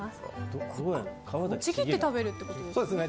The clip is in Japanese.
ちぎって食べるということですか。